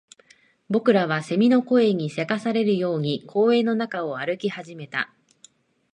僕らは蝉の声に急かされるように公園の中を歩き始めた